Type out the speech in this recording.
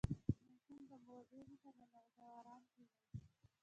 • ماشوم د مور غېږې ته ننوت او آرام کښېناست.